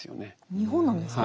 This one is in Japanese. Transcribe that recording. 日本なんですか？